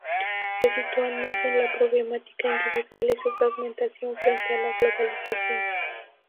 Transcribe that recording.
Se sitúan más en la problemática individual y su fragmentación frente a la globalización.